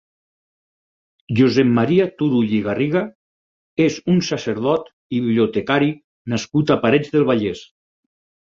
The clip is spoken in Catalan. Josep Maria Turull i Garriga és un sacerdot i bibliotecari nascut a Parets del Vallès.